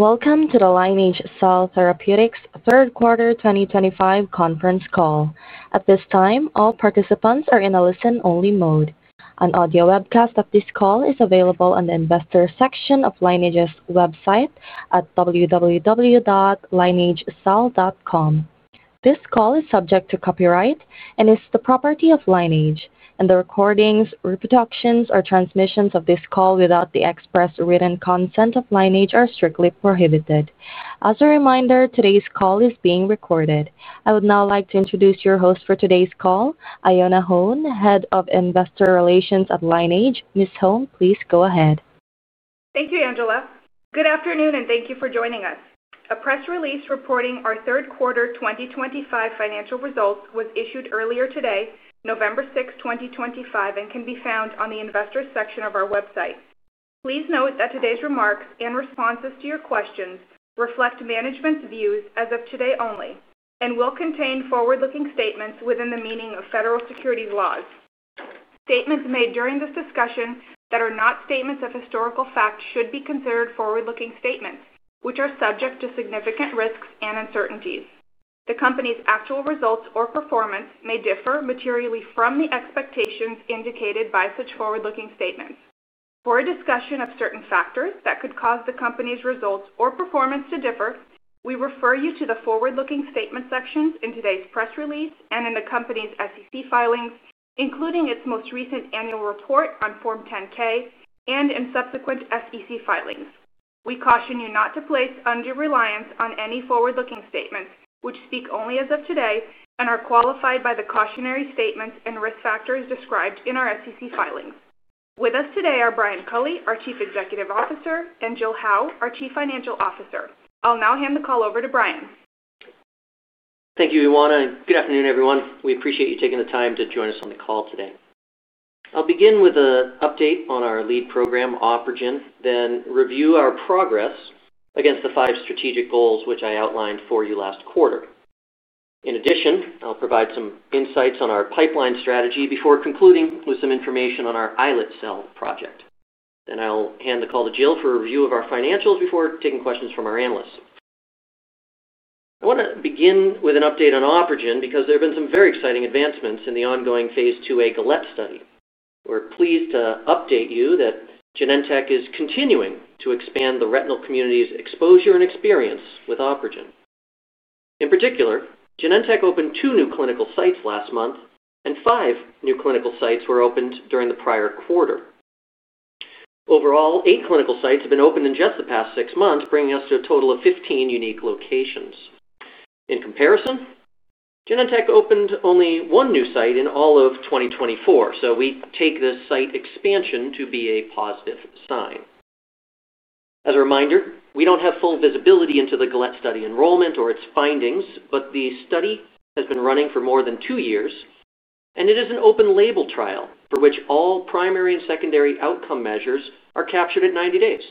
Welcome to the Lineage Cell Therapeutics third quarter 2025 conference call. At this time, all participants are in a listen-only mode. An audio webcast of this call is available on the investor section of Lineage's website at www.lineagecell.com. This call is subject to copyright and is the property of Lineage. The recordings, reproductions, or transmissions of this call without the express written consent of Lineage are strictly prohibited. As a reminder, today's call is being recorded. I would now like to introduce your host for today's call, Ioana Hone, Head of Investor Relations at Lineage. Ms. Hone, please go ahead. Thank you, Angela. Good afternoon, and thank you for joining us. A press release reporting our third quarter 2025 financial results was issued earlier today, November 6th, 2025, and can be found on the investor section of our website. Please note that today's remarks and responses to your questions reflect management's views as of today only and will contain forward-looking statements within the meaning of federal securities laws. Statements made during this discussion that are not statements of historical fact should be considered forward-looking statements, which are subject to significant risks and uncertainties. The company's actual results or performance may differ materially from the expectations indicated by such forward-looking statements. For a discussion of certain factors that could cause the company's results or performance to differ, we refer you to the forward-looking statement sections in today's press release and in the company's SEC filings, including its most recent annual report on Form 10-K and in subsequent SEC filings. We caution you not to place undue reliance on any forward-looking statements, which speak only as of today and are qualified by the cautionary statements and risk factors described in our SEC filings. With us today are Brian Culley, our Chief Executive Officer, and Jill Howe, our Chief Financial Officer. I'll now hand the call over to Brian. Thank you, Ioana. Good afternoon, everyone. We appreciate you taking the time to join us on the call today. I'll begin with an update on our lead program, OpRegen, then review our progress against the five strategic goals which I outlined for you last quarter. In addition, I'll provide some insights on our pipeline strategy before concluding with some information on our iLET Cell project. I will hand the call to Jill for a review of our financials before taking questions from our analysts. I want to begin with an update on OpRegen because there have been some very exciting advancements in the ongoing phase 2A GALLOP study. We're pleased to update you that Genentech is continuing to expand the retinal community's exposure and experience with OpRegen. In particular, Genentech opened two new clinical sites last month, and five new clinical sites were opened during the prior quarter. Overall, eight clinical sites have been opened in just the past six months, bringing us to a total of 15 unique locations. In comparison, Genentech opened only one new site in all of 2024, so we take this site expansion to be a positive sign. As a reminder, we don't have full visibility into the GALEP study enrollment or its findings, but the study has been running for more than two years, and it is an open-label trial for which all primary and secondary outcome measures are captured at 90 days.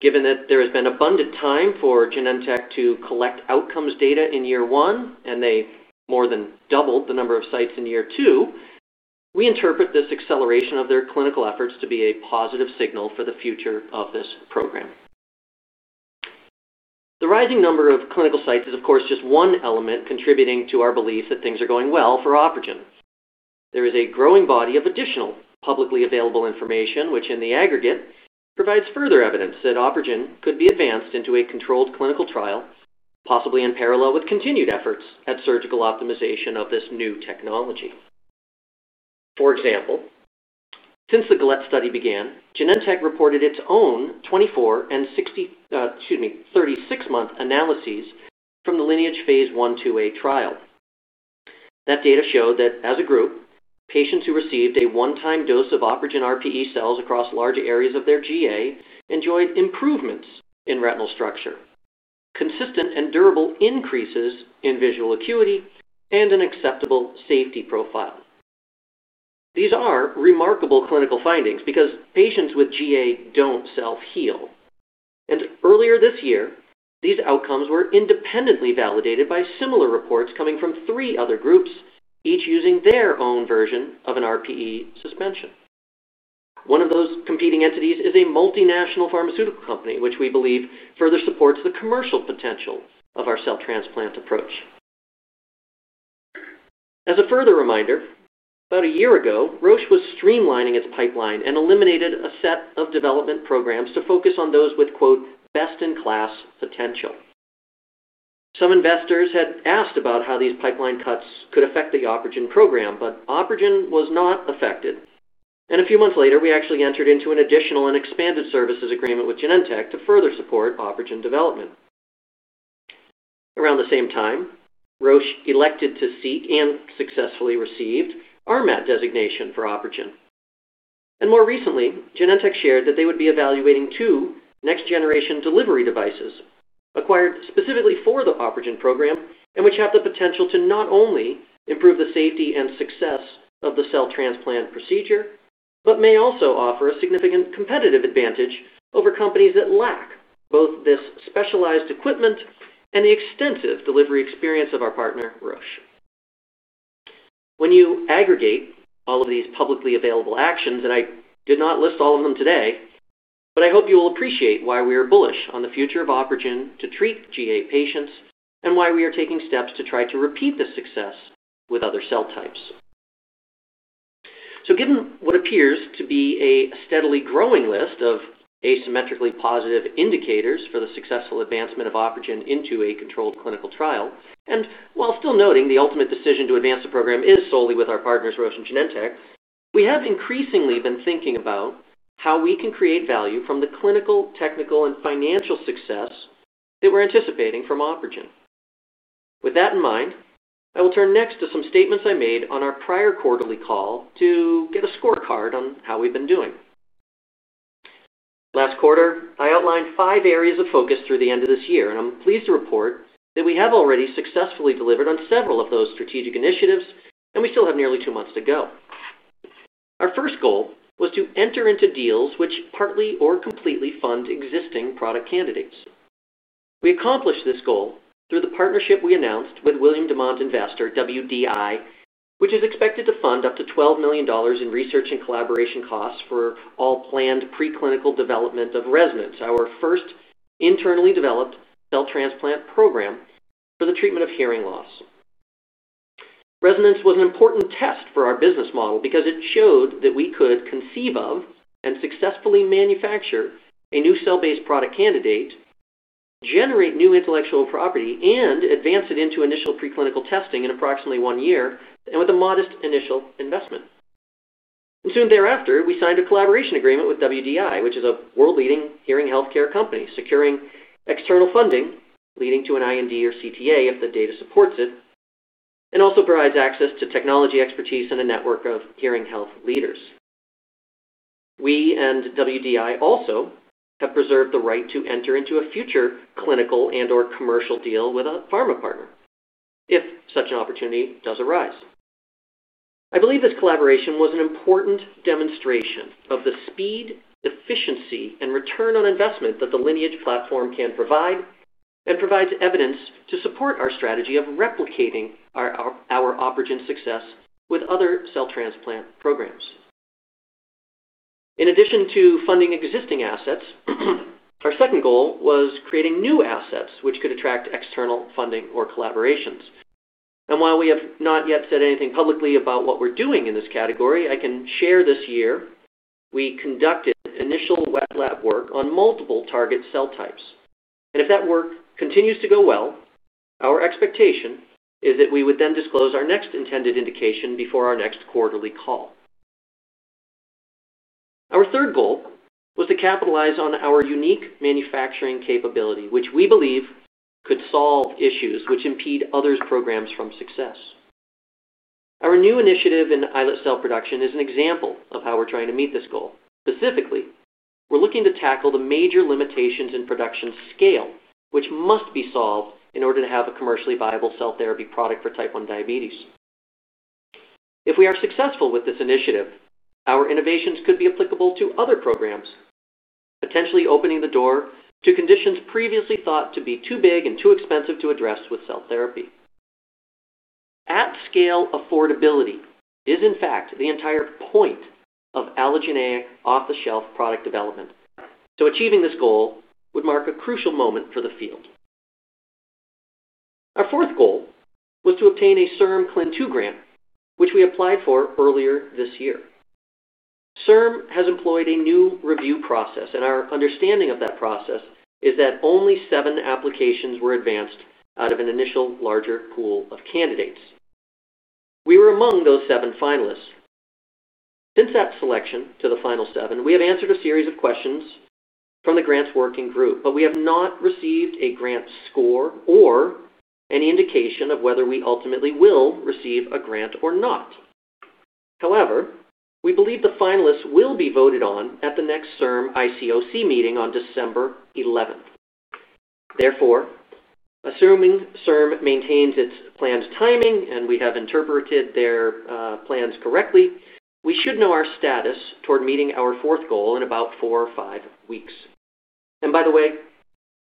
Given that there has been abundant time for Genentech to collect outcomes data in year one and they more than doubled the number of sites in year two, we interpret this acceleration of their clinical efforts to be a positive signal for the future of this program. The rising number of clinical sites is, of course, just one element contributing to our belief that things are going well for OpRegen. There is a growing body of additional publicly available information which, in the aggregate, provides further evidence that OpRegen could be advanced into a controlled clinical trial, possibly in parallel with continued efforts at surgical optimization of this new technology. For example. Since the GALLOP study began, Genentech reported its own 24 and 36-month analyses from the Lineage phase 1/2A trial. That data showed that, as a group, patients who received a one-time dose of OpRegen RPE cells across large areas of their GA enjoyed improvements in retinal structure, consistent and durable increases in visual acuity, and an acceptable safety profile. These are remarkable clinical findings because patients with GA don't self-heal. Earlier this year, these outcomes were independently validated by similar reports coming from three other groups, each using their own version of an RPE suspension. One of those competing entities is a multinational pharmaceutical company which we believe further supports the commercial potential of our cell transplant approach. As a further reminder, about a year ago, Roche was streamlining its pipeline and eliminated a set of development programs to focus on those with "best-in-class" potential. Some investors had asked about how these pipeline cuts could affect the OpRegen program, but OpRegen was not affected. A few months later, we actually entered into an additional and expanded services agreement with Genentech to further support OpRegen development. Around the same time, Roche elected to seek and successfully received RMAT designation for OpRegen. More recently, Genentech shared that they would be evaluating two next-generation delivery devices acquired specifically for the OpRegen program and which have the potential to not only improve the safety and success of the cell transplant procedure but may also offer a significant competitive advantage over companies that lack both this specialized equipment and the extensive delivery experience of our partner, Roche. When you aggregate all of these publicly available actions—and I did not list all of them today—I hope you will appreciate why we are bullish on the future of OpRegen to treat GA patients and why we are taking steps to try to repeat the success with other cell types. Given what appears to be a steadily growing list of asymmetrically positive indicators for the successful advancement of OpRegen into a controlled clinical trial, and while still noting the ultimate decision to advance the program is solely with our partners, Roche and Genentech, we have increasingly been thinking about how we can create value from the clinical, technical, and financial success that we're anticipating from OpRegen. With that in mind, I will turn next to some statements I made on our prior quarterly call to get a scorecard on how we've been doing. Last quarter, I outlined five areas of focus through the end of this year, and I'm pleased to report that we have already successfully delivered on several of those strategic initiatives, and we still have nearly two months to go. Our first goal was to enter into deals which partly or completely fund existing product candidates. We accomplished this goal through the partnership we announced with William Demant Invest, WDI, which is expected to fund up to $12 million in research and collaboration costs for all planned preclinical development of Resonance, our first internally developed cell transplant program for the treatment of hearing loss. Resonance was an important test for our business model because it showed that we could conceive of and successfully manufacture a new cell-based product candidate, generate new intellectual property, and advance it into initial preclinical testing in approximately one year and with a modest initial investment. Soon thereafter, we signed a collaboration agreement with WDI, which is a world-leading hearing healthcare company, securing external funding leading to an IND or CTA if the data supports it. It also provides access to technology expertise and a network of hearing health leaders. We and William Demant Invest also have preserved the right to enter into a future clinical and/or commercial deal with a pharma partner if such an opportunity does arise. I believe this collaboration was an important demonstration of the speed, efficiency, and return on investment that the Lineage platform can provide and provides evidence to support our strategy of replicating our OpRegen success with other cell transplant programs. In addition to funding existing assets, our second goal was creating new assets which could attract external funding or collaborations. While we have not yet said anything publicly about what we're doing in this category, I can share this year we conducted initial wet lab work on multiple target cell types. If that work continues to go well, our expectation is that we would then disclose our next intended indication before our next quarterly call. Our third goal was to capitalize on our unique manufacturing capability, which we believe could solve issues which impede others' programs from success. Our new initiative in iLET cell production is an example of how we're trying to meet this goal. Specifically, we're looking to tackle the major limitations in production scale, which must be solved in order to have a commercially viable cell therapy product for type one diabetes. If we are successful with this initiative, our innovations could be applicable to other programs, potentially opening the door to conditions previously thought to be too big and too expensive to address with cell therapy. At-scale affordability is, in fact, the entire point of allogeneic off-the-shelf product development. Achieving this goal would mark a crucial moment for the field. Our fourth goal was to obtain a CIRM CLIN2 grant, which we applied for earlier this year. SRM has employed a new review process, and our understanding of that process is that only seven applications were advanced out of an initial larger pool of candidates. We were among those seven finalists. Since that selection to the final seven, we have answered a series of questions from the grant's working group, but we have not received a grant score or any indication of whether we ultimately will receive a grant or not. However, we believe the finalists will be voted on at the next SRM ICOC meeting on December 11th. Therefore, assuming SRM maintains its planned timing and we have interpreted their plans correctly, we should know our status toward meeting our fourth goal in about four or five weeks. By the way,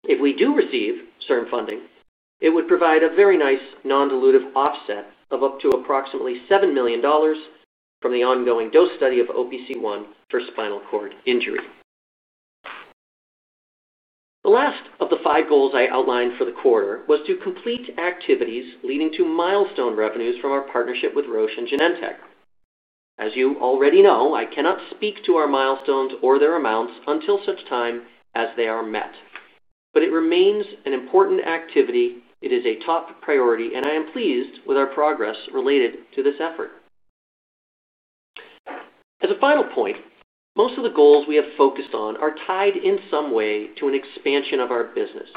if we do receive SRM funding, it would provide a very nice non-dilutive offset of up to approximately $7 million. From the ongoing dose study of OPC-1 for spinal cord injury. The last of the five goals I outlined for the quarter was to complete activities leading to milestone revenues from our partnership with Roche and Genentech. As you already know, I cannot speak to our milestones or their amounts until such time as they are met. It remains an important activity. It is a top priority, and I am pleased with our progress related to this effort. As a final point, most of the goals we have focused on are tied in some way to an expansion of our business.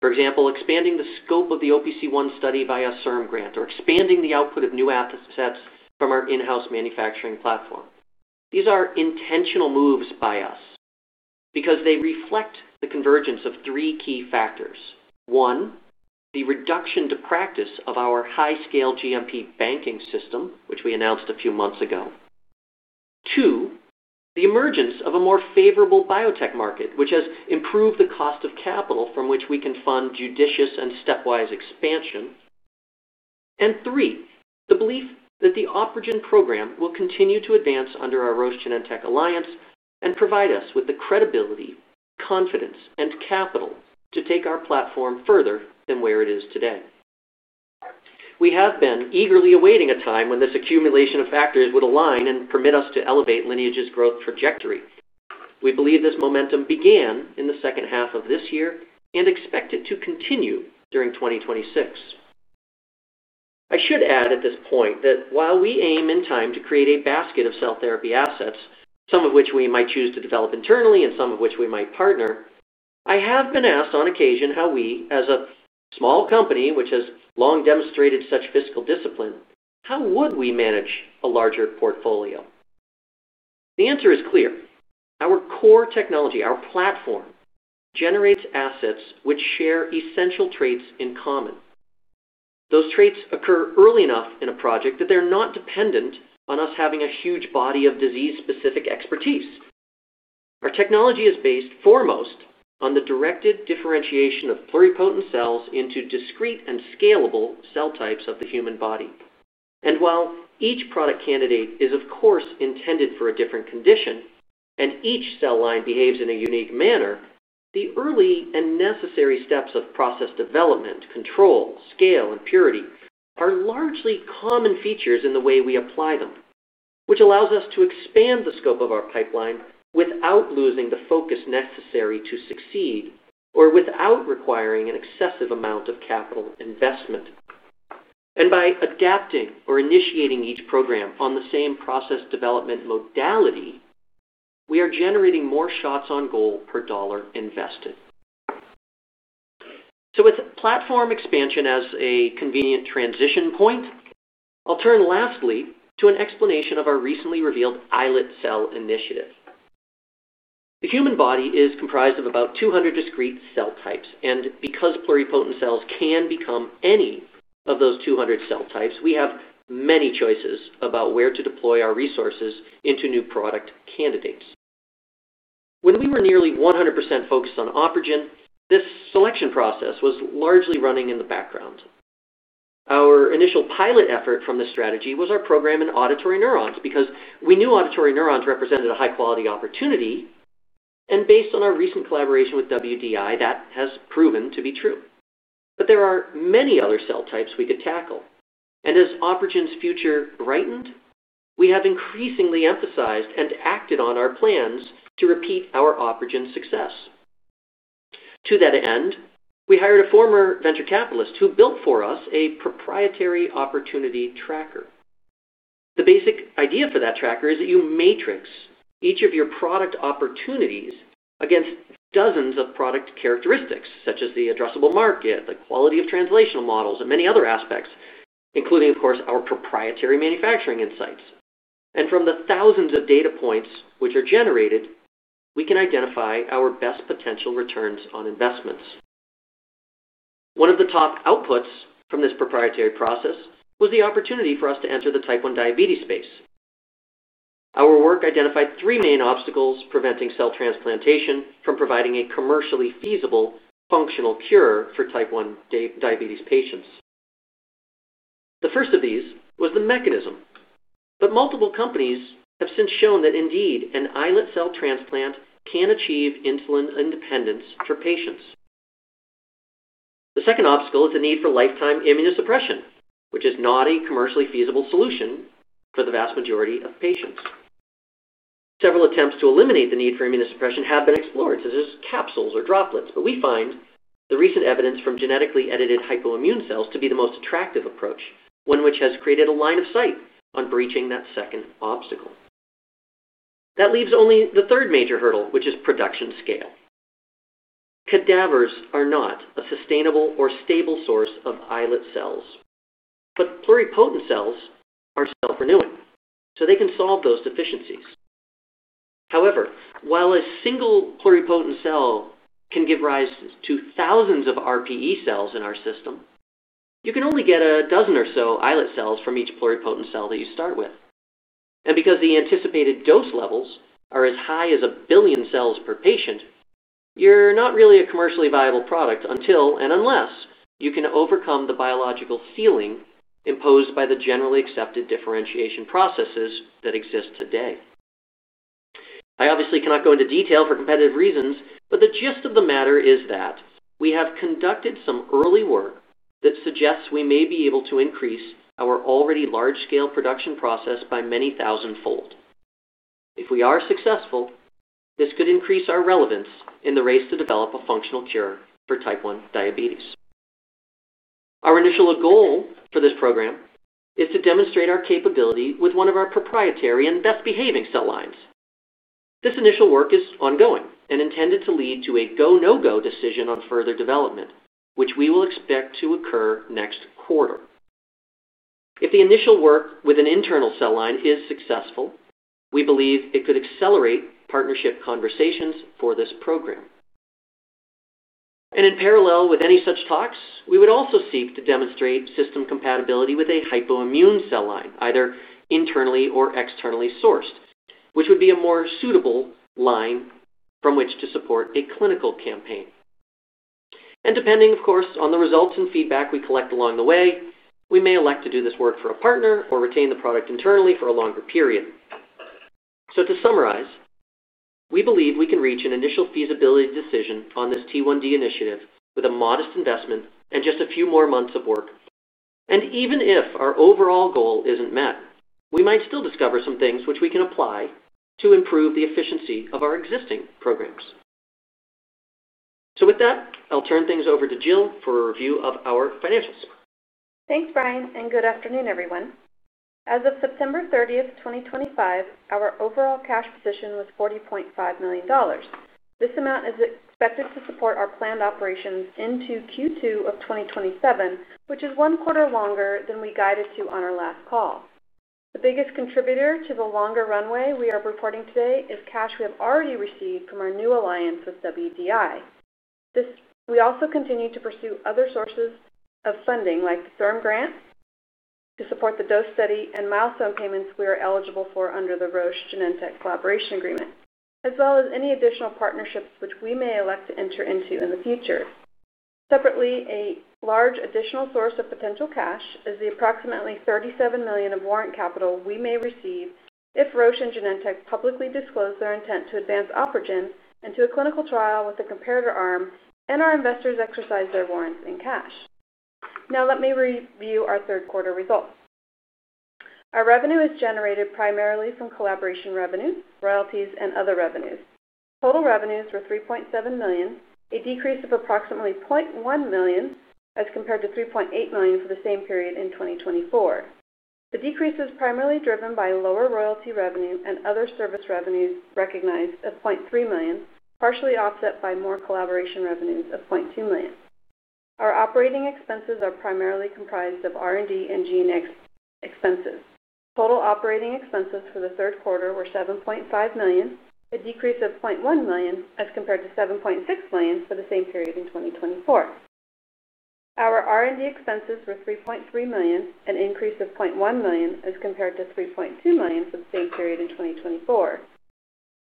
For example, expanding the scope of the OPC-1 study via CIRM grant or expanding the output of new assets from our in-house manufacturing platform. These are intentional moves by us because they reflect the convergence of three key factors. One, the reduction to practice of our high-scale GMP banking system, which we announced a few months ago. Two, the emergence of a more favorable biotech market, which has improved the cost of capital from which we can fund judicious and stepwise expansion. Three, the belief that the OpRegen program will continue to advance under our Roche Genentech alliance and provide us with the credibility, confidence, and capital to take our platform further than where it is today. We have been eagerly awaiting a time when this accumulation of factors would align and permit us to elevate Lineage's growth trajectory. We believe this momentum began in the second half of this year and expect it to continue during 2026. I should add at this point that while we aim in time to create a basket of cell therapy assets, some of which we might choose to develop internally and some of which we might partner, I have been asked on occasion how we, as a small company which has long demonstrated such fiscal discipline, how would we manage a larger portfolio. The answer is clear. Our core technology, our platform, generates assets which share essential traits in common. Those traits occur early enough in a project that they're not dependent on us having a huge body of disease-specific expertise. Our technology is based foremost on the directed differentiation of pluripotent cells into discrete and scalable cell types of the human body. While each product candidate is, of course, intended for a different condition and each cell line behaves in a unique manner, the early and necessary steps of process development, control, scale, and purity are largely common features in the way we apply them, which allows us to expand the scope of our pipeline without losing the focus necessary to succeed or without requiring an excessive amount of capital investment. By adapting or initiating each program on the same process development modality, we are generating more shots on goal per dollar invested. With platform expansion as a convenient transition point, I'll turn lastly to an explanation of our recently revealed iLET Cell Initiative. The human body is comprised of about 200 discrete cell types. Because pluripotent cells can become any of those 200 cell types, we have many choices about where to deploy our resources into new product candidates. When we were nearly 100% focused on OpRegen, this selection process was largely running in the background. Our initial pilot effort from this strategy was our program in auditory neurons because we knew auditory neurons represented a high-quality opportunity. Based on our recent collaboration with William Demant Invest, that has proven to be true. There are many other cell types we could tackle. As OpRegen's future brightened, we have increasingly emphasized and acted on our plans to repeat our OpRegen success. To that end, we hired a former venture capitalist who built for us a proprietary opportunity tracker. The basic idea for that tracker is that you matrix each of your product opportunities against dozens of product characteristics, such as the addressable market, the quality of translational models, and many other aspects, including, of course, our proprietary manufacturing insights. From the thousands of data points which are generated, we can identify our best potential returns on investments. One of the top outputs from this proprietary process was the opportunity for us to enter the type one diabetes space. Our work identified three main obstacles preventing cell transplantation from providing a commercially feasible functional cure for type one diabetes patients. The first of these was the mechanism. Multiple companies have since shown that, indeed, an iLET cell transplant can achieve insulin independence for patients. The second obstacle is the need for lifetime immunosuppression, which is not a commercially feasible solution for the vast majority of patients. Several attempts to eliminate the need for immunosuppression have been explored, such as capsules or droplets. We find the recent evidence from genetically edited hypoimmune cells to be the most attractive approach, one which has created a line of sight on breaching that second obstacle. That leaves only the third major hurdle, which is production scale. Cadavers are not a sustainable or stable source of iLET cells. Pluripotent cells are self-renewing, so they can solve those deficiencies. However, while a single pluripotent cell can give rise to thousands of RPE cells in our system, you can only get a dozen or so iLET cells from each pluripotent cell that you start with. Because the anticipated dose levels are as high as a billion cells per patient, you're not really a commercially viable product until and unless you can overcome the biological ceiling imposed by the generally accepted differentiation processes that exist today. I obviously cannot go into detail for competitive reasons, but the gist of the matter is that we have conducted some early work that suggests we may be able to increase our already large-scale production process by many thousandfold. If we are successful, this could increase our relevance in the race to develop a functional cure for type 1 diabetes. Our initial goal for this program is to demonstrate our capability with one of our proprietary and best-behaving cell lines. This initial work is ongoing and intended to lead to a go, no-go decision on further development, which we will expect to occur next quarter. If the initial work with an internal cell line is successful, we believe it could accelerate partnership conversations for this program. In parallel with any such talks, we would also seek to demonstrate system compatibility with a hypoimmune cell line, either internally or externally sourced, which would be a more suitable line from which to support a clinical campaign. Depending, of course, on the results and feedback we collect along the way, we may elect to do this work for a partner or retain the product internally for a longer period. To summarize, we believe we can reach an initial feasibility decision on this T1D initiative with a modest investment and just a few more months of work. Even if our overall goal isn't met, we might still discover some things which we can apply to improve the efficiency of our existing programs. With that, I'll turn things over to Jill for a review of our financials. Thanks, Brian, and good afternoon, everyone. As of September 30th, 2025, our overall cash position was $40.5 million. This amount is expected to support our planned operations into Q2 of 2027, which is one quarter longer than we guided to on our last call. The biggest contributor to the longer runway we are reporting today is cash we have already received from our new alliance with William Demant Invest. We also continue to pursue other sources of funding, like the SRM grant, to support the dose study and milestone payments we are eligible for under the Roche Genentech Collaboration Agreement, as well as any additional partnerships which we may elect to enter into in the future. Separately, a large additional source of potential cash is the approximately $37 million of warrant capital we may receive if Roche and Genentech publicly disclose their intent to advance OpRegen into a clinical trial with a competitor arm and our investors exercise their warrants in cash. Now, let me review our third quarter results. Our revenue is generated primarily from collaboration revenues, royalties, and other revenues. Total revenues were $3.7 million, a decrease of approximately $0.1 million as compared to $3.8 million for the same period in 2024. The decrease is primarily driven by lower royalty revenue and other service revenues recognized of $0.3 million, partially offset by more collaboration revenues of $0.2 million. Our operating expenses are primarily comprised of R&D and G&A expenses. Total operating expenses for the third quarter were $7.5 million, a decrease of $0.1 million as compared to $7.6 million for the same period in 2024. Our R&D expenses were $3.3 million, an increase of $0.1 million as compared to $3.2 million for the same period in 2024.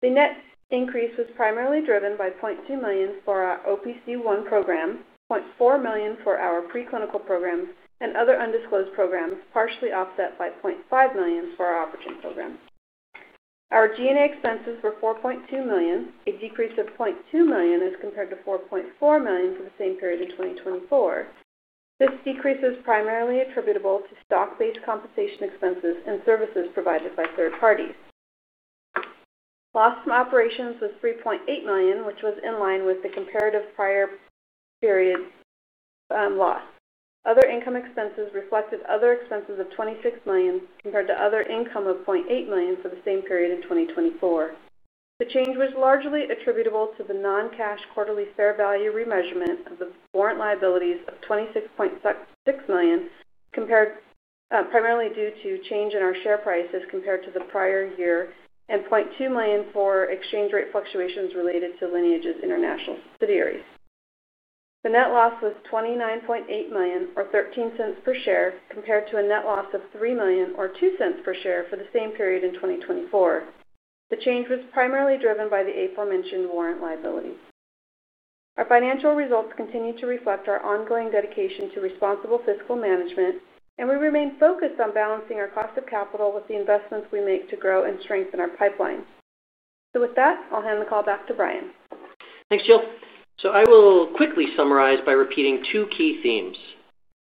The net increase was primarily driven by $0.2 million for our OPC1 program, $0.4 million for our preclinical programs, and other undisclosed programs, partially offset by $0.5 million for our OpRegen program. Our G&A expenses were $4.2 million, a decrease of $0.2 million as compared to $4.4 million for the same period in 2024. This decrease is primarily attributable to stock-based compensation expenses and services provided by third parties. Loss from operations was $3.8 million, which was in line with the comparative prior period. Loss. Other income expenses reflected other expenses of $26 million compared to other income of $0.8 million for the same period in 2024. The change was largely attributable to the non-cash quarterly fair value remeasurement of the warrant liabilities of $26.6 million, primarily due to change in our share prices compared to the prior year, and $0.2 million for exchange rate fluctuations related to Lineage's international subsidiaries. The net loss was $29.8 million, or $0.13 per share, compared to a net loss of $3 million, or $0.02 per share, for the same period in 2024. The change was primarily driven by the aforementioned warrant liabilities. Our financial results continue to reflect our ongoing dedication to responsible fiscal management, and we remain focused on balancing our cost of capital with the investments we make to grow and strengthen our pipeline. With that, I'll hand the call back to Brian. Thanks, Jill. I will quickly summarize by repeating two key themes.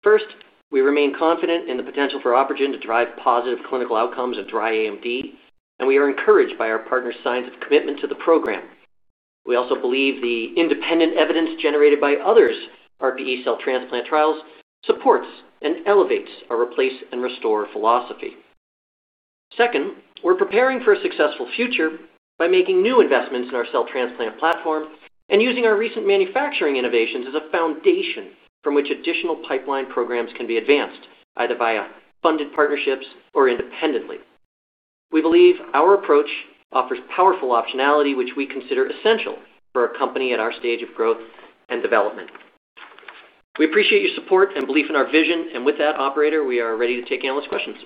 First, we remain confident in the potential for OpRegen to drive positive clinical outcomes in dry AMD, and we are encouraged by our partners' signs of commitment to the program. We also believe the independent evidence generated by others' RPE cell transplant trials supports and elevates our replace and restore philosophy. Second, we're preparing for a successful future by making new investments in our cell transplant platform and using our recent manufacturing innovations as a foundation from which additional pipeline programs can be advanced, either via funded partnerships or independently. We believe our approach offers powerful optionality, which we consider essential for a company at our stage of growth and development. We appreciate your support and belief in our vision. With that, operator, we are ready to take analyst questions.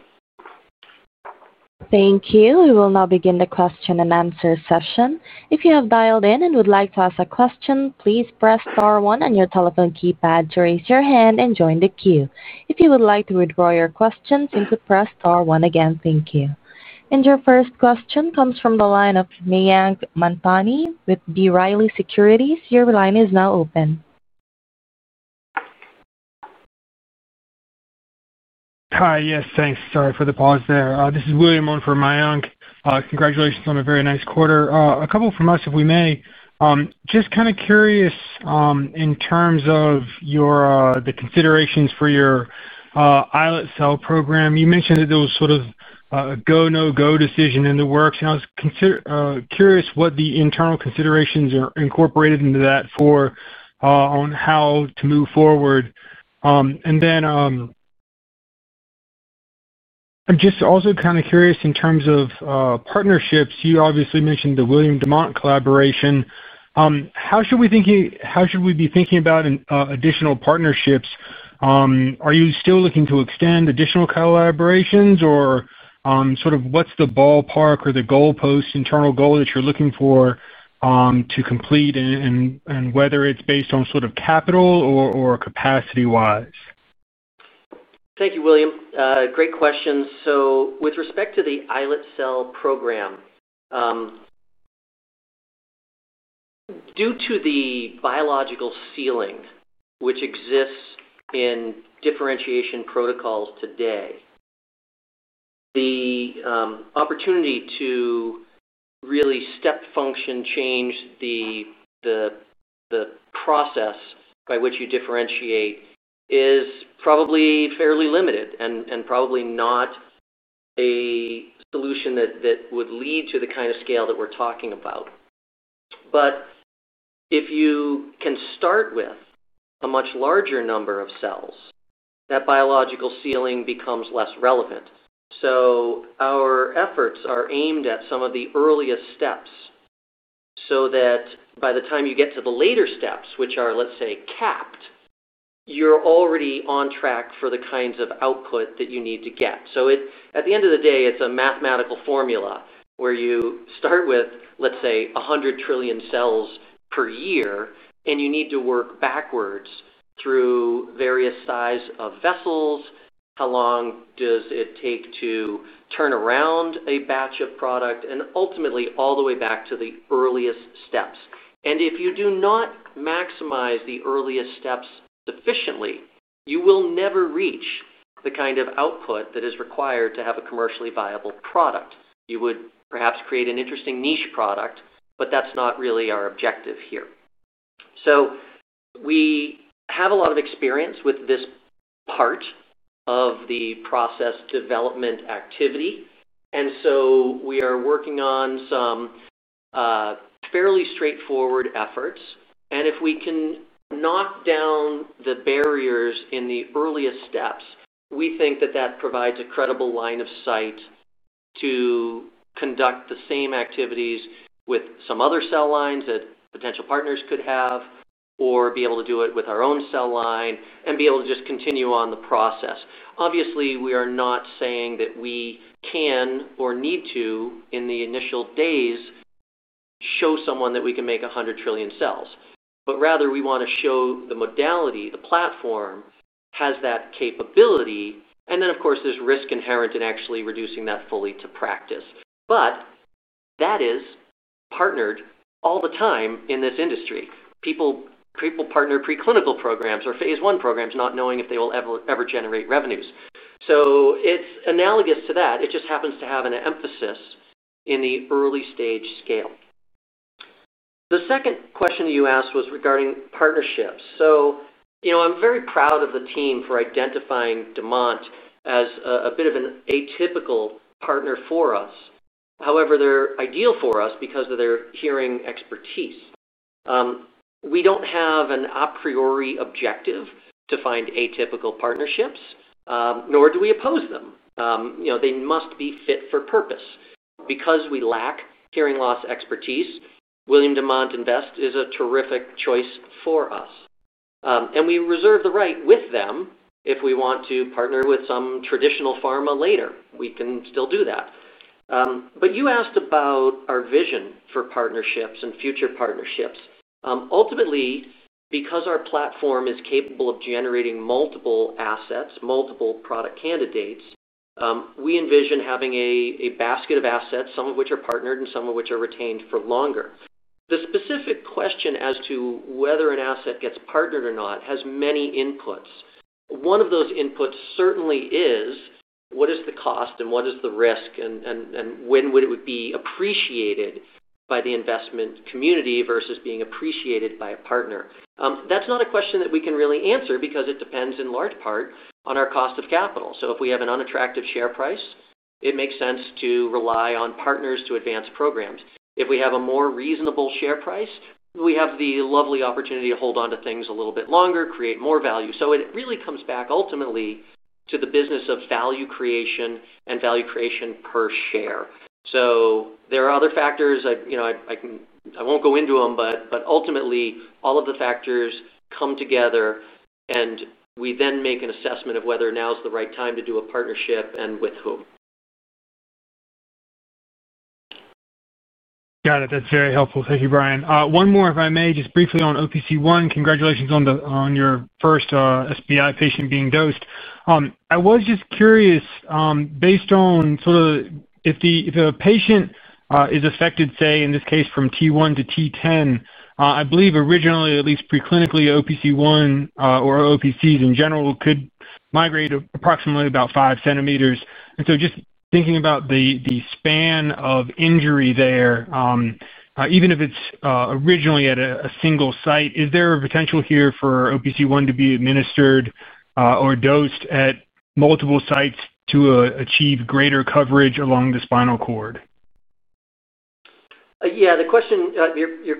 Thank you. We will now begin the question and answer session. If you have dialed in and would like to ask a question, please press star one on your telephone keypad to raise your hand and join the queue. If you would like to withdraw your question, simply press star one again. Thank you. Your first question comes from the line of Miyank Mantani with B. Reilly Securities. Your line is now open. Hi, yes, thanks. Sorry for the pause there. This is William Owen from Miyank. Congratulations on a very nice quarter. A couple from us, if we may. Just kind of curious. In terms of the considerations for your iLET Cell program, you mentioned that there was sort of a go, no-go decision in the works. I was curious what the internal considerations are incorporated into that. On how to move forward. And then. I'm just also kind of curious in terms of partnerships. You obviously mentioned the William Demant collaboration. How should we be thinking about additional partnerships? Are you still looking to extend additional collaborations, or sort of what's the ballpark or the goalpost, internal goal that you're looking for to complete, and whether it's based on sort of capital or capacity-wise? Thank you, William. Great question. With respect to the iLET Cell program, due to the biological ceiling which exists in differentiation protocols today, the opportunity to really step function change the process by which you differentiate is probably fairly limited and probably not a solution that would lead to the kind of scale that we're talking about. If you can start with a much larger number of cells, that biological ceiling becomes less relevant. Our efforts are aimed at some of the earliest steps. So that by the time you get to the later steps, which are, let's say, capped, you're already on track for the kinds of output that you need to get. At the end of the day, it's a mathematical formula where you start with, let's say, 100 trillion cells per year, and you need to work backwards through various sizes of vessels, how long does it take to turn around a batch of product, and ultimately all the way back to the earliest steps. If you do not maximize the earliest steps sufficiently, you will never reach the kind of output that is required to have a commercially viable product. You would perhaps create an interesting niche product, but that's not really our objective here. We have a lot of experience with this part of the process development activity. We are working on some. Fairly straightforward efforts. If we can knock down the barriers in the earliest steps, we think that provides a credible line of sight to conduct the same activities with some other cell lines that potential partners could have or be able to do it with our own cell line and be able to just continue on the process. Obviously, we are not saying that we can or need to, in the initial days, show someone that we can make 100 trillion cells. Rather, we want to show the modality, the platform, has that capability. Of course, there is risk inherent in actually reducing that fully to practice. That is partnered all the time in this industry. People partner preclinical programs or phase one programs, not knowing if they will ever generate revenues. It is analogous to that. It just happens to have an emphasis in the early-stage scale. The second question you asked was regarding partnerships. I'm very proud of the team for identifying William Demant Invest as a bit of an atypical partner for us. However, they're ideal for us because of their hearing expertise. We don't have an a priori objective to find atypical partnerships, nor do we oppose them. They must be fit for purpose. Because we lack hearing loss expertise, William Demant Invest is a terrific choice for us. We reserve the right with them if we want to partner with some traditional pharma later. We can still do that. You asked about our vision for partnerships and future partnerships. Ultimately, because our platform is capable of generating multiple assets, multiple product candidates, we envision having a basket of assets, some of which are partnered and some of which are retained for longer. The specific question as to whether an asset gets partnered or not has many inputs. One of those inputs certainly is, what is the cost and what is the risk, and when would it be appreciated by the investment community versus being appreciated by a partner? That is not a question that we can really answer because it depends in large part on our cost of capital. If we have an unattractive share price, it makes sense to rely on partners to advance programs. If we have a more reasonable share price, we have the lovely opportunity to hold on to things a little bit longer, create more value. It really comes back ultimately to the business of value creation and value creation per share. There are other factors. I won't go into them, but ultimately, all of the factors come together, and we then make an assessment of whether now is the right time to do a partnership and with whom. Got it. That's very helpful. Thank you, Brian. One more, if I may, just briefly on OPC-1. Congratulations on your first SBI patient being dosed. I was just curious, based on sort of if a patient is affected, say, in this case, from T1 to T10, I believe originally, at least preclinically, OPC-1 or OPCs in general could migrate approximately about 5 cm. Just thinking about the span of injury there, even if it's originally at a single site, is there a potential here for OPC1 to be administered or dosed at multiple sites to achieve greater coverage along the spinal cord? Yeah. Your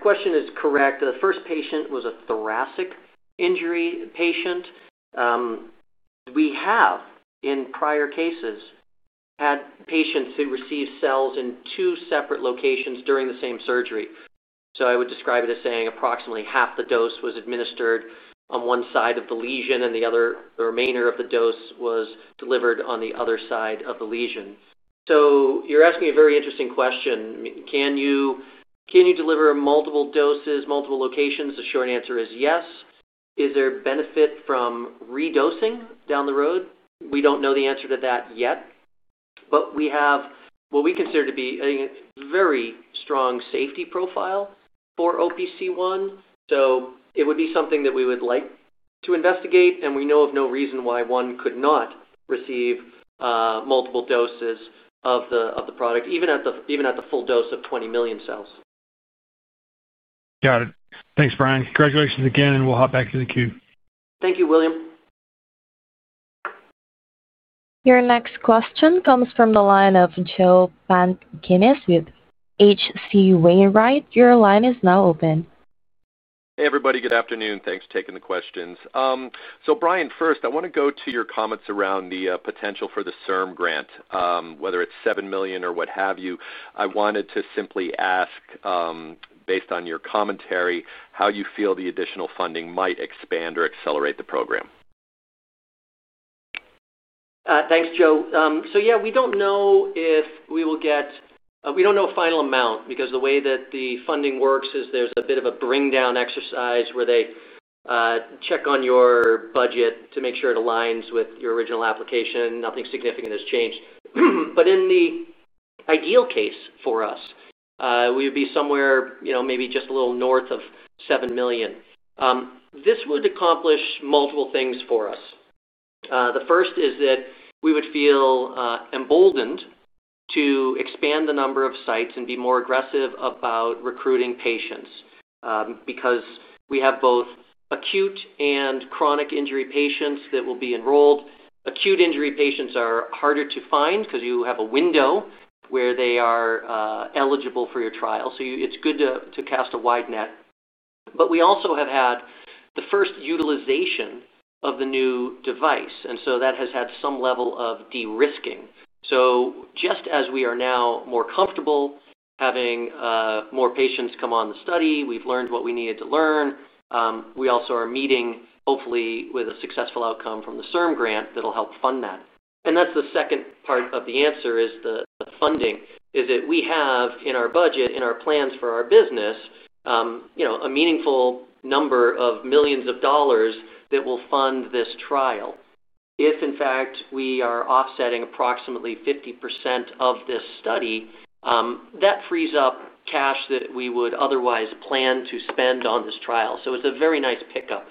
question is correct. The first patient was a thoracic injury patient. We have, in prior cases, had patients who received cells in two separate locations during the same surgery. I would describe it as saying approximately half the dose was administered on one side of the lesion, and the remainder of the dose was delivered on the other side of the lesion. You're asking a very interesting question. Can you deliver multiple doses, multiple locations? The short answer is yes. Is there benefit from redosing down the road? We don't know the answer to that yet. We have what we consider to be a very strong safety profile for OPC1. It would be something that we would like to investigate. We know of no reason why one could not receive multiple doses of the product, even at the full dose of 20 million cells. Got it. Thanks, Brian. Congratulations again, and we'll hop back to the queue. Thank you, William. Your next question comes from the line of Joe Pantginis with H.C. Wainwright. Your line is now open. Hey, everybody. Good afternoon. Thanks for taking the questions. Brian, first, I want to go to your comments around the potential for the CIRM grant, whether it's $7 million or what have you. I wanted to simply ask, based on your commentary, how you feel the additional funding might expand or accelerate the program. Thanks, Joe. Yeah, we don't know if we will get—we don't know a final amount because the way that the funding works is there's a bit of a bring-down exercise where they check on your budget to make sure it aligns with your original application. Nothing significant has changed. In the ideal case for us, we would be somewhere maybe just a little north of $7 million. This would accomplish multiple things for us. The first is that we would feel emboldened to expand the number of sites and be more aggressive about recruiting patients because we have both acute and chronic injury patients that will be enrolled. Acute injury patients are harder to find because you have a window where they are eligible for your trial. It's good to cast a wide net. We also have had the first utilization of the new device, and that has had some level of de-risking. Just as we are now more comfortable having more patients come on the study, we've learned what we needed to learn. We also are meeting, hopefully, with a successful outcome from the CIRM grant that'll help fund that. The second part of the answer is the funding, is that we have in our budget, in our plans for our business, a meaningful number of millions of dollars that will fund this trial. If, in fact, we are offsetting approximately 50% of this study, that frees up cash that we would otherwise plan to spend on this trial. It's a very nice pickup.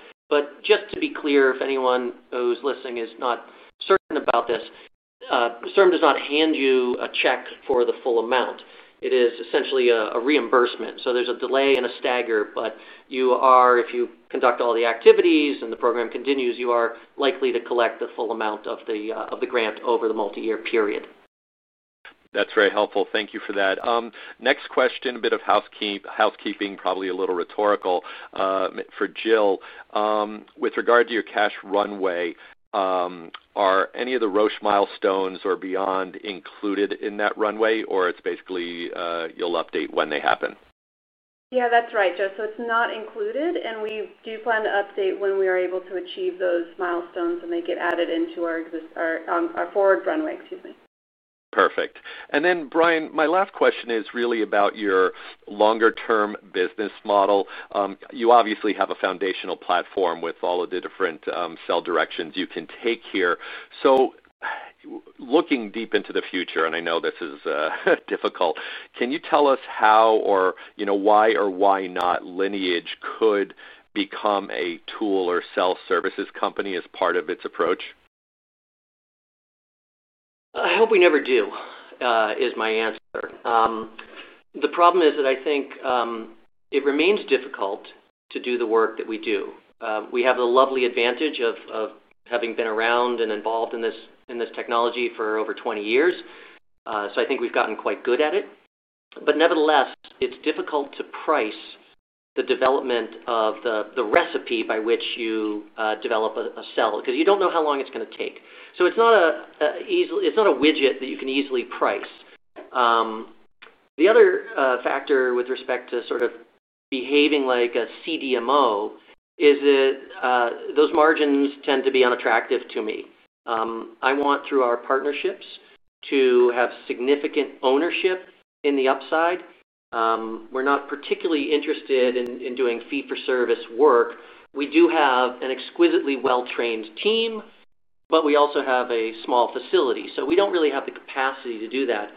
Just to be clear, if anyone who's listening is not certain about this. CIRM does not hand you a check for the full amount. It is essentially a reimbursement. There is a delay and a stagger. If you conduct all the activities and the program continues, you are likely to collect the full amount of the grant over the multi-year period. That is very helpful. Thank you for that. Next question, a bit of housekeeping, probably a little rhetorical. For Jill. With regard to your cash runway, are any of the Roche milestones or beyond included in that runway, or it is basically you will update when they happen? Yeah, that is right, Joe. It is not included, and we do plan to update when we are able to achieve those milestones and they get added into our forward runway, excuse me. Perfect. Brian, my last question is really about your longer-term business model. You obviously have a foundational platform with all of the different cell directions you can take here. Looking deep into the future, and I know this is difficult, can you tell us how or why or why not Lineage could become a tool or cell services company as part of its approach? I hope we never do. Is my answer. The problem is that I think it remains difficult to do the work that we do. We have the lovely advantage of having been around and involved in this technology for over 20 years. I think we've gotten quite good at it. Nevertheless, it's difficult to price the development of the recipe by which you develop a cell because you don't know how long it's going to take. It's not a widget that you can easily price. The other factor with respect to sort of behaving like a CDMO is that those margins tend to be unattractive to me. I want, through our partnerships, to have significant ownership in the upside. We're not particularly interested in doing fee-for-service work. We do have an exquisitely well-trained team, but we also have a small facility. We don't really have the capacity to do that.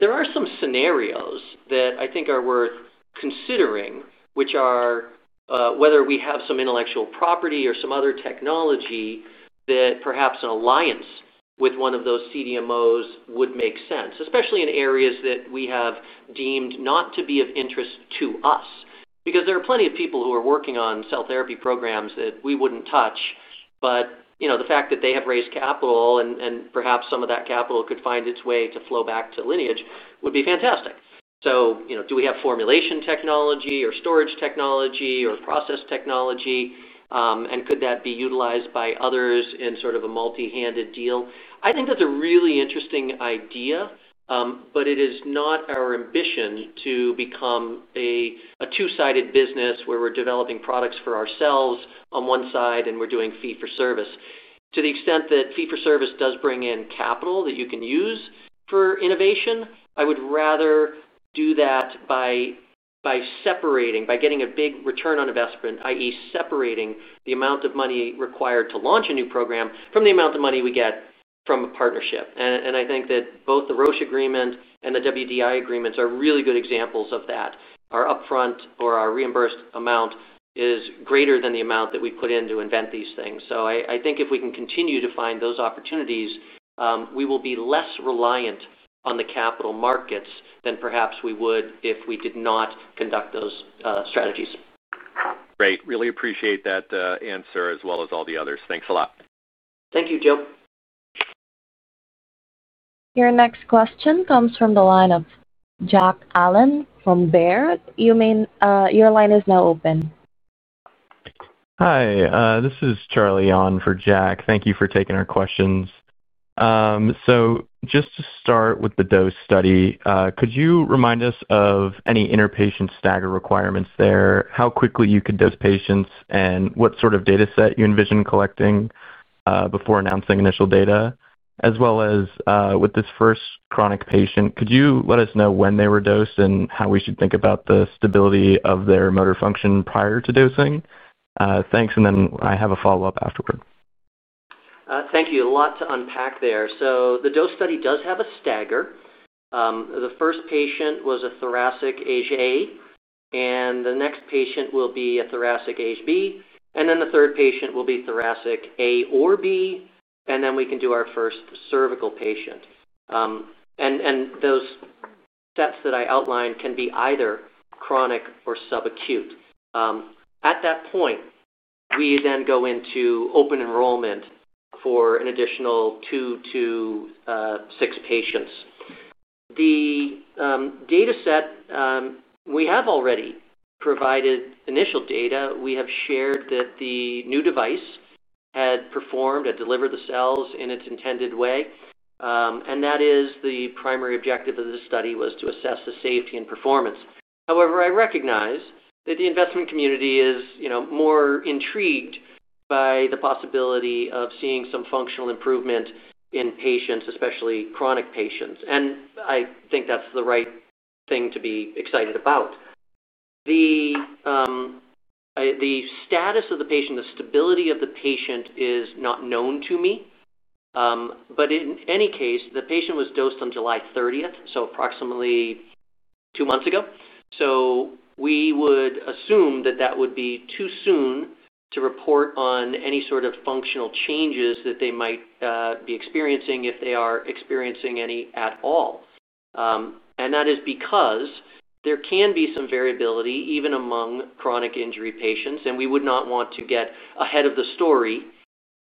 There are some scenarios that I think are worth considering, which are whether we have some intellectual property or some other technology that perhaps an alliance with one of those CDMOs would make sense, especially in areas that we have deemed not to be of interest to us. Because there are plenty of people who are working on cell therapy programs that we wouldn't touch. The fact that they have raised capital and perhaps some of that capital could find its way to flow back to Lineage would be fantastic. Do we have formulation technology or storage technology or process technology? Could that be utilized by others in sort of a multi-handed deal? I think that is a really interesting idea, but it is not our ambition to become a two-sided business where we are developing products for ourselves on one side and we are doing fee-for-service. To the extent that fee-for-service does bring in capital that you can use for innovation, I would rather do that by separating, by getting a big return on investment, i.e., separating the amount of money required to launch a new program from the amount of money we get from a partnership. I think that both the Roche agreement and the WDI agreements are really good examples of that. Our upfront or our reimbursed amount is greater than the amount that we put in to invent these things. I think if we can continue to find those opportunities, we will be less reliant on the capital markets than perhaps we would if we did not conduct those strategies. Great. Really appreciate that answer as well as all the others. Thanks a lot. Thank you, Joe. Your next question comes from the line of Jack Allen from Bayer. Your line is now open. Hi. This is Charlie Yawn for Jack. Thank you for taking our questions. Just to start with the dose study, could you remind us of any inner patient stagger requirements there, how quickly you could dose patients, and what sort of data set you envision collecting. Before announcing initial data, as well as with this first chronic patient, could you let us know when they were dosed and how we should think about the stability of their motor function prior to dosing? Thanks. I have a follow-up afterward. Thank you. A lot to unpack there. The dose study does have a stagger. The first patient was a thoracic A, and the next patient will be a thoracic B. The third patient will be thoracic A or B, and then we can do our first cervical patient. Those sets that I outlined can be either chronic or subacute at that point. We then go into open enrollment for an additional two to six patients. The data set, we have already provided initial data. We have shared that the new device had performed, had delivered the cells in its intended way. That is the primary objective of this study, to assess the safety and performance. However, I recognize that the investment community is more intrigued by the possibility of seeing some functional improvement in patients, especially chronic patients. I think that's the right thing to be excited about. The status of the patient, the stability of the patient, is not known to me. In any case, the patient was dosed on July 30th, so approximately two months ago. We would assume that that would be too soon to report on any sort of functional changes that they might be experiencing if they are experiencing any at all. That is because there can be some variability even among chronic injury patients, and we would not want to get ahead of the story.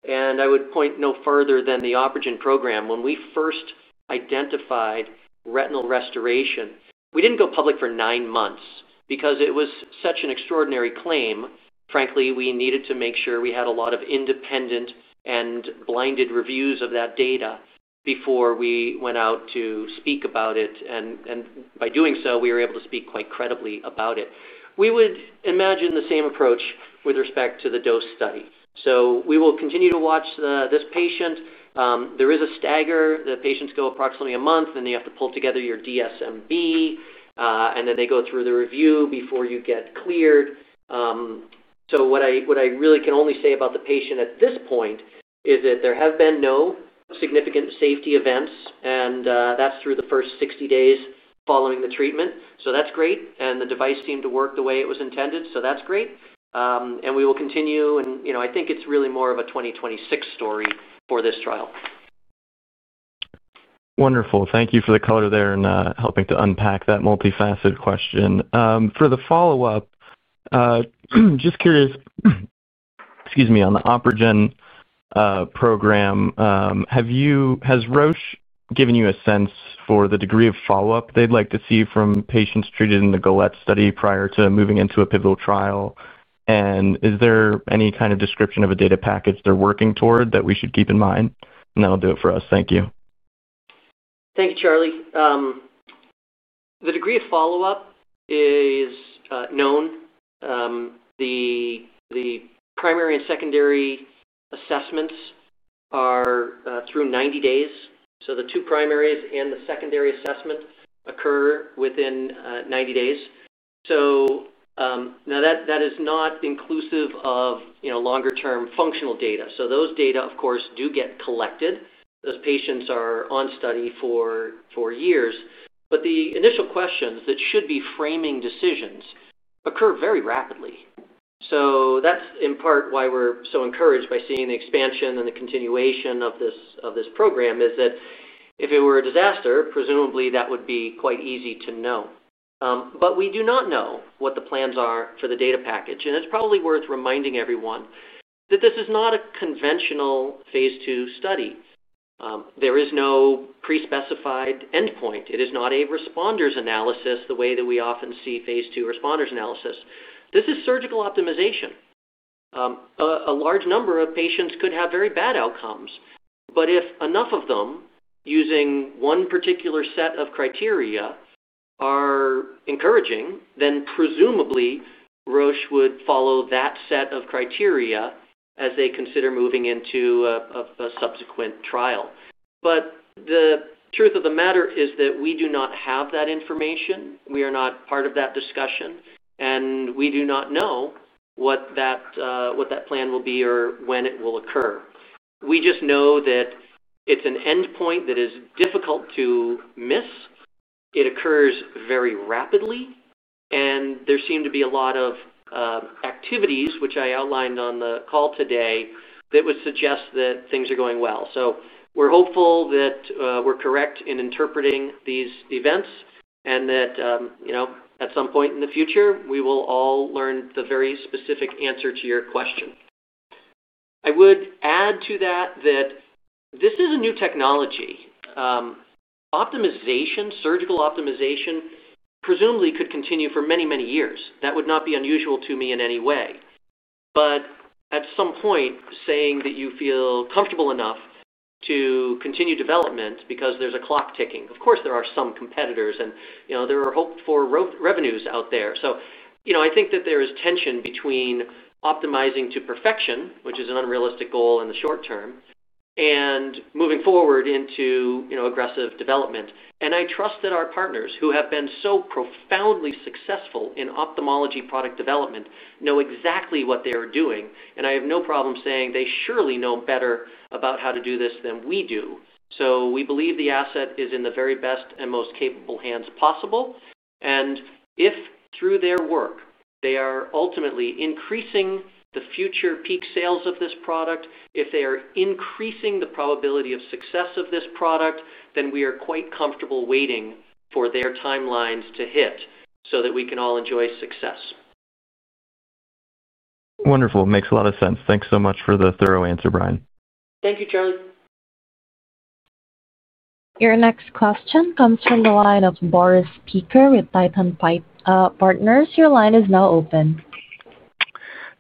I would point no further than the OpRegen program. When we first identified retinal restoration, we did not go public for nine months because it was such an extraordinary claim. Frankly, we needed to make sure we had a lot of independent and blinded reviews of that data before we went out to speak about it. By doing so, we were able to speak quite credibly about it. We would imagine the same approach with respect to the dose study. We will continue to watch this patient. There is a stagger. The patients go approximately a month, and you have to pull together your DSMB. Then they go through the review before you get cleared. What I really can only say about the patient at this point is that there have been no significant safety events, and that's through the first 60 days following the treatment. That's great. The device seemed to work the way it was intended. That's great. We will continue. I think it's really more of a 2026 story for this trial. Wonderful. Thank you for the color there and helping to unpack that multifaceted question. For the follow-up, just curious, excuse me, on the OpRegen program, has Roche given you a sense for the degree of follow-up they'd like to see from patients treated in the GALET study prior to moving into a pivotal trial? Is there any kind of description of a data package they're working toward that we should keep in mind? That'll do it for us. Thank you. Thank you, Charlie. The degree of follow-up is known. The primary and secondary assessments are through 90 days. So the two primaries and the secondary assessment occur within 90 days. So now, that is not inclusive of longer-term functional data. So those data, of course, do get collected. Those patients are on study for years. But the initial questions that should be framing decisions occur very rapidly. So that's in part why we're so encouraged by seeing the expansion and the continuation of this program, is that if it were a disaster, presumably that would be quite easy to know. But we do not know what the plans are for the data package. And it's probably worth reminding everyone that this is not a conventional phase two study. There is no pre-specified endpoint. It is not a responders analysis the way that we often see phase two responders analysis. This is surgical optimization. A large number of patients could have very bad outcomes. If enough of them using one particular set of criteria are encouraging, then presumably Roche would follow that set of criteria as they consider moving into a subsequent trial. The truth of the matter is that we do not have that information. We are not part of that discussion. We do not know what that plan will be or when it will occur. We just know that it's an endpoint that is difficult to miss. It occurs very rapidly. There seem to be a lot of activities, which I outlined on the call today, that would suggest that things are going well. We're hopeful that we're correct in interpreting these events and that at some point in the future, we will all learn the very specific answer to your question. I would add to that. This is a new technology. Surgical optimization presumably could continue for many, many years. That would not be unusual to me in any way. At some point, saying that you feel comfortable enough to continue development because there's a clock ticking. Of course, there are some competitors, and there are hopes for revenues out there. I think that there is tension between optimizing to perfection, which is an unrealistic goal in the short term, and moving forward into aggressive development. I trust that our partners, who have been so profoundly successful in ophthalmology product development, know exactly what they are doing. I have no problem saying they surely know better about how to do this than we do. We believe the asset is in the very best and most capable hands possible. If through their work, they are ultimately increasing the future peak sales of this product, if they are increasing the probability of success of this product, then we are quite comfortable waiting for their timelines to hit so that we can all enjoy success. Wonderful. Makes a lot of sense. Thanks so much for the thorough answer, Brian. Thank you, Charlie. Your next question comes from the line of Boris Peaker with Titan Pipe Partners. Your line is now open.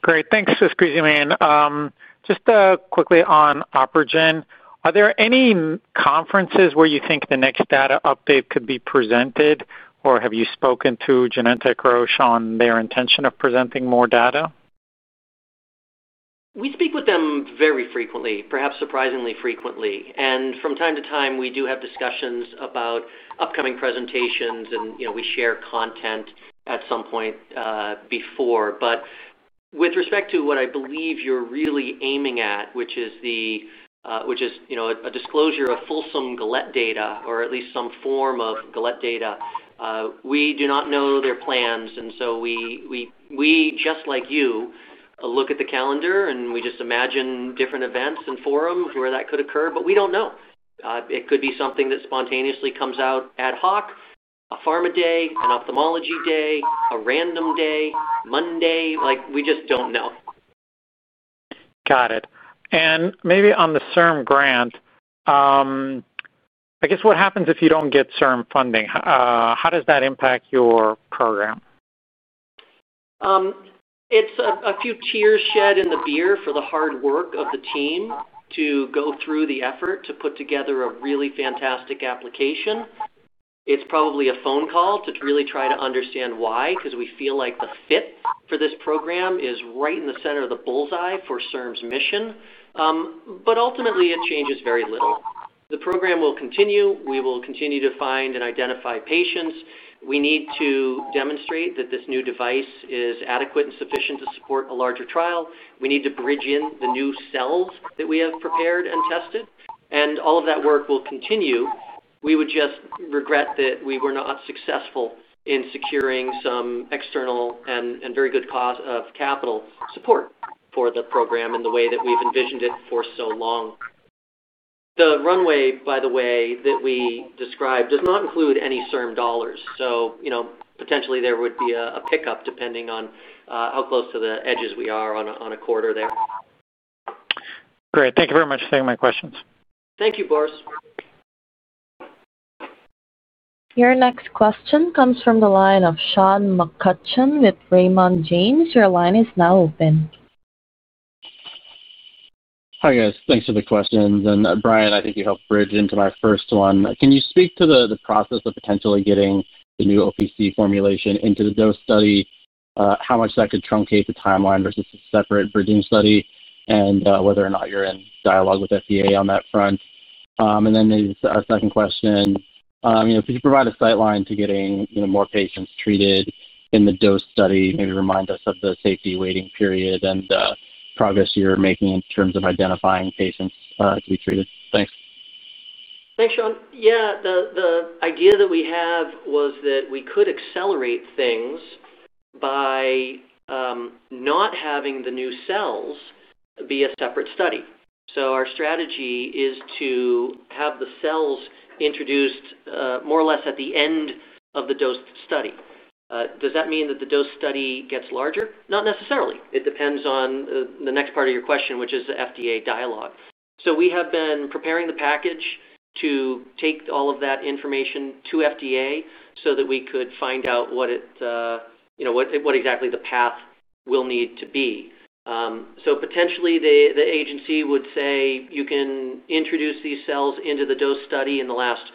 Great. Thanks, Cristian. Just quickly on OpRegen, are there any conferences where you think the next data update could be presented, or have you spoken to Genentech Roche on their intention of presenting more data? We speak with them very frequently, perhaps surprisingly frequently. From time to time, we do have discussions about upcoming presentations, and we share content at some point before. With respect to what I believe you're really aiming at, which is a disclosure of fulsome GALET data or at least some form of GALET data, we do not know their plans. We, just like you, look at the calendar, and we just imagine different events and forums where that could occur. We do not know. It could be something that spontaneously comes out ad hoc, a pharma day, an ophthalmology day, a random day, Monday. We just do not know. Got it. Maybe on the CIRM grant. I guess what happens if you do not get CIRM funding? How does that impact your program? It is a few tears shed in the beer for the hard work of the team to go through the effort to put together a really fantastic application. It's probably a phone call to really try to understand why, because we feel like the fit for this program is right in the center of the bullseye for CIRM's mission. Ultimately, it changes very little. The program will continue. We will continue to find and identify patients. We need to demonstrate that this new device is adequate and sufficient to support a larger trial. We need to bridge in the new cells that we have prepared and tested. All of that work will continue. We would just regret that we were not successful in securing some external and very good cause of capital support for the program in the way that we've envisioned it for so long. The runway, by the way, that we described does not include any CIRM dollars. So potentially, there would be a pickup depending on how close to the edges we are on a quarter there. Great. Thank you very much for taking my questions. Thank you, Boris. Your next question comes from the line of Sean McCutchen with Raymond James. Your line is now open. Hi, guys. Thanks for the questions. And Brian, I think you helped bridge into my first one. Can you speak to the process of potentially getting the new OPC formulation into the dose study, how much that could truncate the timeline versus a separate bridging study, and whether or not you're in dialogue with FDA on that front? And then a second question. Could you provide a sightline to getting more patients treated in the dose study, maybe remind us of the safety waiting period and the progress you're making in terms of identifying patients to be treated? Thanks. Thanks, Sean. Yeah. The idea that we have was that we could accelerate things. By. Not having the new cells be a separate study. So our strategy is to have the cells introduced more or less at the end of the dose study. Does that mean that the dose study gets larger? Not necessarily. It depends on the next part of your question, which is the FDA dialogue. So we have been preparing the package to take all of that information to FDA so that we could find out what. Exactly the path will need to be. So potentially, the agency would say, "You can introduce these cells into the dose study in the last.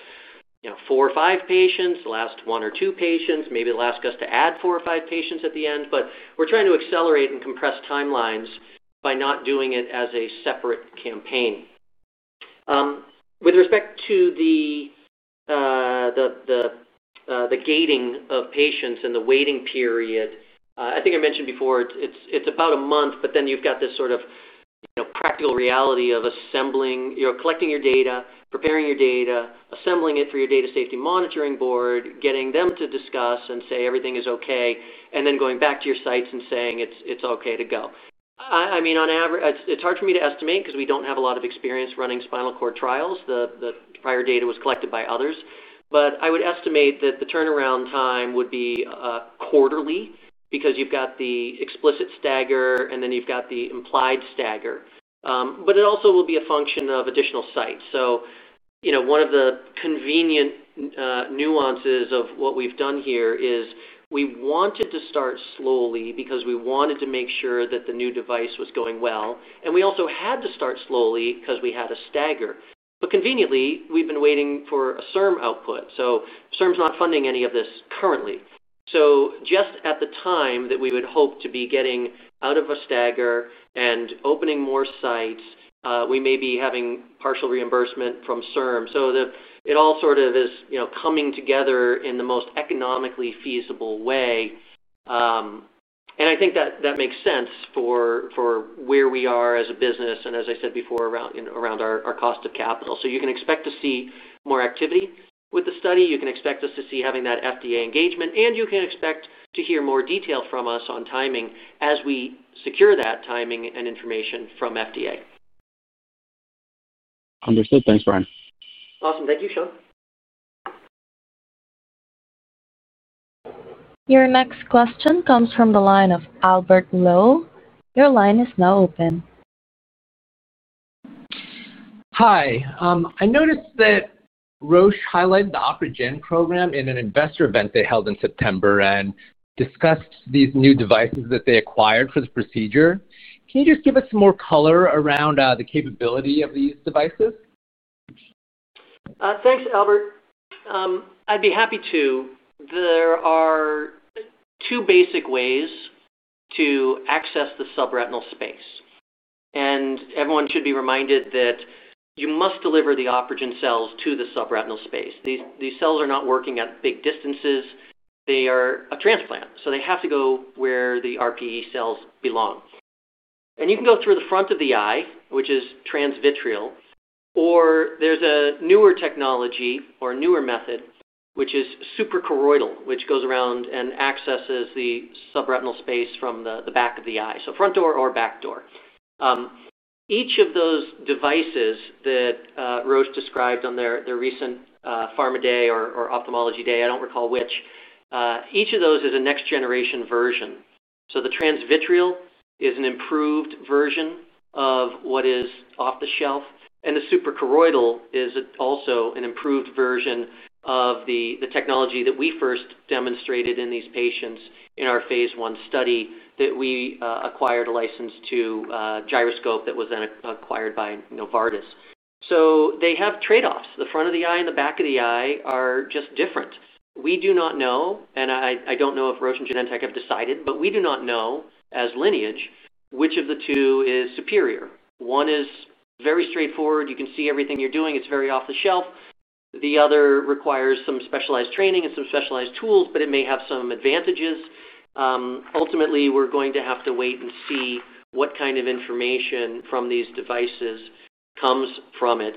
Four or five patients, the last one or two patients. Maybe it'll ask us to add four or five patients at the end. We're trying to accelerate and compress timelines by not doing it as a separate campaign. With respect to the gating of patients and the waiting period, I think I mentioned before, it's about a month, but then you've got this sort of practical reality of collecting your data, preparing your data, assembling it for your data safety monitoring board, getting them to discuss and say everything is okay, and then going back to your sites and saying it's okay to go. I mean, it's hard for me to estimate because we don't have a lot of experience running spinal cord trials. The prior data was collected by others. I would estimate that the turnaround time would be quarterly because you've got the explicit stagger and then you've got the implied stagger. But it also will be a function of additional sites. So one of the convenient. Nuances of what we've done here is we wanted to start slowly because we wanted to make sure that the new device was going well. And we also had to start slowly because we had a stagger. But conveniently, we've been waiting for a CERM output. So CERM's not funding any of this currently. So just at the time that we would hope to be getting out of a stagger and opening more sites, we may be having partial reimbursement from CERM. So it all sort of is coming together in the most economically feasible way. And I think that makes sense for. Where we are as a business and, as I said before, around our cost of capital. So you can expect to see more activity with the study. You can expect us to see having that FDA engagement. And you can expect to hear more detail from us on timing as we secure that timing and information from FDA. Understood. Thanks, Brian. Awesome. Thank you, Sean. Your next question comes from the line of Albert Lowe. Your line is now open. Hi. I noticed that. Roche highlighted the OpRegen program in an investor event they held in September and discussed these new devices that they acquired for the procedure. Can you just give us some more color around the capability of these devices? Thanks, Albert. I'd be happy to. There are. Two basic ways to access the subretinal space. And everyone should be reminded that you must deliver the OpRegen cells to the subretinal space. These cells are not working at big distances. They are a transplant. So they have to go where the RPE cells belong. And you can go through the front of the eye, which is transvitreal. Or there's a newer technology or a newer method, which is supercoroidal, which goes around and accesses the subretinal space from the back of the eye. So front door or back door. Each of those devices that Roche described on their recent pharma day or ophthalmology day, I don't recall which. Each of those is a next-generation version. So the transvitreal is an improved version of what is off the shelf. And the supercoroidal is also an improved version of the technology that we first demonstrated in these patients in our phase one study that we acquired a license to Gyroscope that was then acquired by Novartis. So they have trade-offs. The front of the eye and the back of the eye are just different. We do not know, and I don't know if Roche and Genentech have decided, but we do not know as lineage which of the two is superior. One is very straightforward. You can see everything you're doing. It's very off the shelf. The other requires some specialized training and some specialized tools, but it may have some advantages. Ultimately, we're going to have to wait and see what kind of information from these devices comes from it.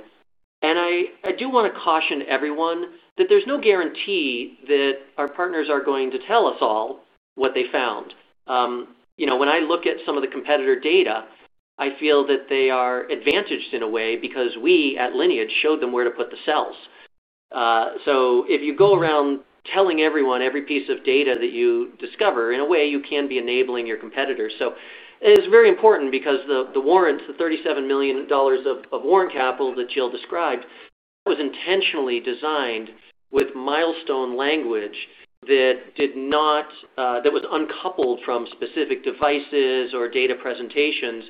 And I do want to caution everyone that there's no guarantee that our partners are going to tell us all what they found. When I look at some of the competitor data, I feel that they are advantaged in a way because we, at Lineage, showed them where to put the cells. So if you go around telling everyone every piece of data that you discover, in a way, you can be enabling your competitors. So it is very important because the warrant, the $37 million of warrant capital that Jill described, that was intentionally designed with milestone language that. Was uncoupled from specific devices or data presentations.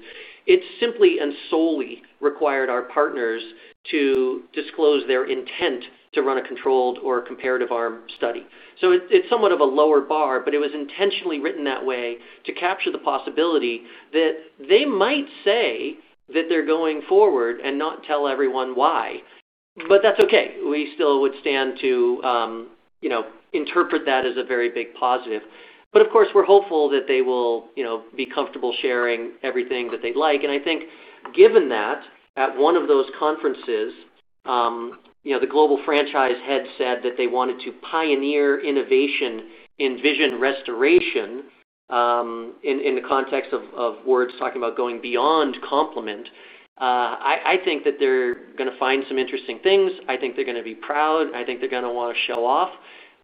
It simply and solely required our partners to disclose their intent to run a controlled or comparative arm study. So it's somewhat of a lower bar, but it was intentionally written that way to capture the possibility that they might say that they're going forward and not tell everyone why. But that's okay. We still would stand to. Interpret that as a very big positive. But of course, we're hopeful that they will be comfortable sharing everything that they'd like. And I think, given that, at one of those conferences. The global franchise head said that they wanted to pioneer innovation in vision restoration. In the context of words talking about going beyond complement. I think that they're going to find some interesting things. I think they're going to be proud. I think they're going to want to show off.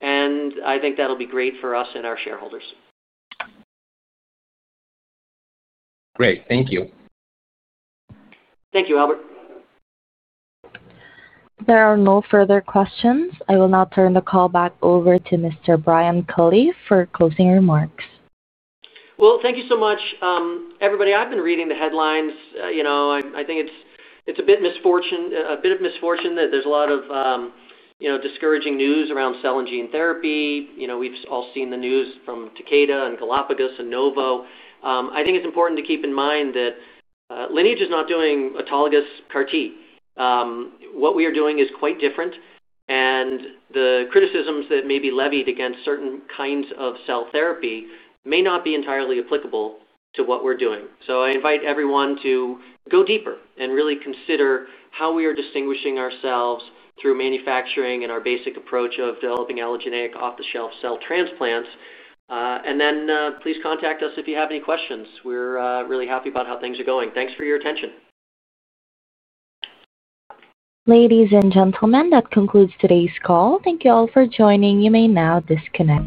And I think that'll be great for us and our shareholders. Great. Thank you. Thank you, Albert. There are no further questions. I will now turn the call back over to Mr. Brian Culley for closing remarks. Well, thank you so much. Everybody, I've been reading the headlines. I think it's a bit of misfortune that there's a lot of. Discouraging news around cell and gene therapy. We've all seen the news from Takeda and Galapagos and Novo. I think it's important to keep in mind that. Lineage is not doing autologous CAR-T. What we are doing is quite different. And the criticisms that may be levied against certain kinds of cell therapy may not be entirely applicable to what we're doing. So I invite everyone to go deeper and really consider how we are distinguishing ourselves through manufacturing and our basic approach of developing allogeneic off-the-shelf cell transplants. And then please contact us if you have any questions. We're really happy about how things are going. Thanks for your attention. Ladies and gentlemen, that concludes today's call. Thank you all for joining. You may now disconnect.